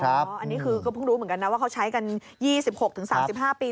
อันนี้คือก็เพิ่งรู้เหมือนกันนะว่าเขาใช้กัน๒๖๓๕ปี